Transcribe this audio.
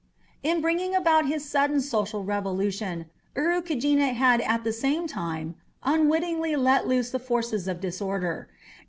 In bringing about his sudden social revolution, Urukagina had at the same time unwittingly let loose the forces of disorder.